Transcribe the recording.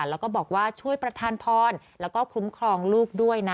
แล้วก็บอกว่าช่วยประธานพรแล้วก็คุ้มครองลูกด้วยนะ